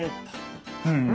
うん。